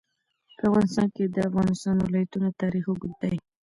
په افغانستان کې د د افغانستان ولايتونه تاریخ اوږد دی.